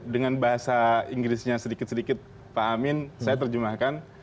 dengan bahasa inggrisnya sedikit sedikit pak amin saya terjemahkan